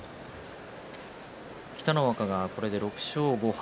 北の若、これで６勝５敗。